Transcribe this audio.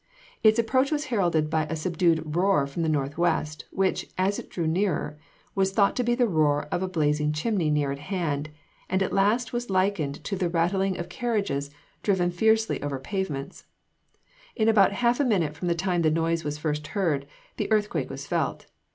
Its approach was heralded by a subdued roar from the northwest, which, as it drew nearer, "was thought to be the roar of a blazing chimney near at hand, and at last was likened to the rattling of carriages driven fiercely over pavements. In about half a minute from the time the noise was first heard, the earthquake was felt.